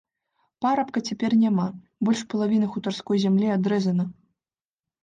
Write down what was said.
Парабка цяпер няма, больш палавіны хутарской зямлі адрэзана.